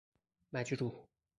مجروح